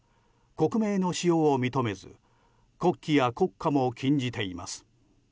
国名の使用を認めず国旗や国歌も禁じています。